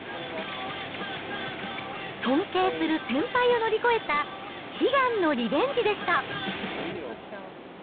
尊敬する先輩を乗り越えた悲願のリベンジでした。